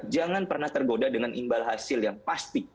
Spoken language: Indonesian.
jangan pernah tergoda dengan imbal hasil yang pasti